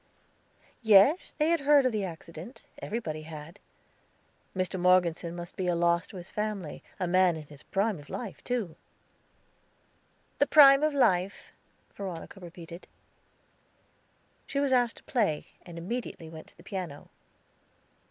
Yes, they had heard of the accident, everybody had; Mr. Morgeson must be a loss to his family, a man in the prime of life, too. "The prime of life," Veronica repeated. She was asked to play, and immediately went to the piano.